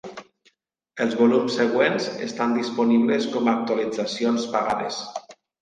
Els volums següents estan disponibles com a actualitzacions pagades.